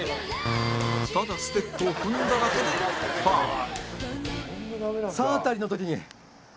ただステップを踏んだだけでファウル